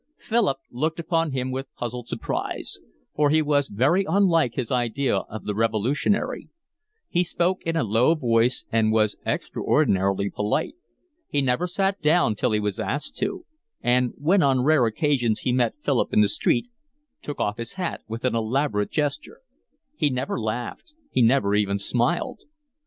Philip looked upon him with puzzled surprise; for he was very unlike his idea of the revolutionary: he spoke in a low voice and was extraordinarily polite; he never sat down till he was asked to; and when on rare occasions he met Philip in the street took off his hat with an elaborate gesture; he never laughed, he never even smiled.